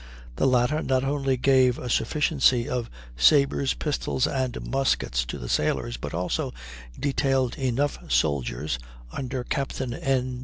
The latter not only gave a sufficiency of sabres, pistols, and muskets to the sailors, but also detailed enough soldiers, under Captain N.